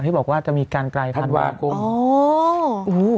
ที่บอกว่าจะมีการไกลธันวาคม